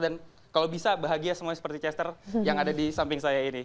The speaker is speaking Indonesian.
dan kalau bisa bahagia semuanya seperti chester yang ada di samping saya ini